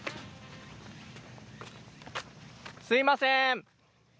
すみません！